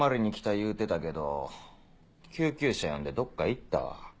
言うてたけど救急車呼んでどっか行ったわ。